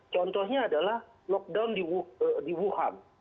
contohnya adalah lockdown di wuhan